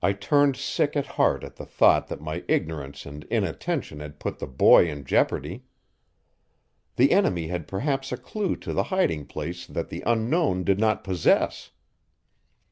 I turned sick at heart at the thought that my ignorance and inattention had put the boy in jeopardy. The enemy had perhaps a clue to the hiding place that the Unknown did not possess.